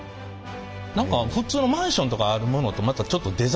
何か普通のマンションとかあるものとまたちょっとデザイン違いますね。